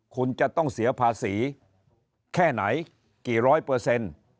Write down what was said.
คุณจะต้องเสียภาษีแค่ไหนกี่ร้อยเปอร์เซ็นต์